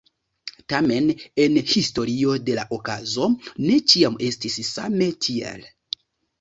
Tamen en historio de la okazo ne ĉiam estis same tiel.